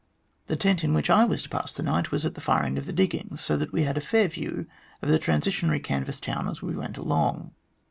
Tim tent in which I was to pass the night was at the far end of the diggings, so that we had a fair view of the transitory canvas town as we went along.